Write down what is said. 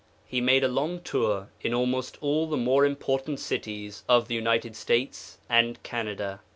He made a long tour in almost all the more important cities of the United States and Canada.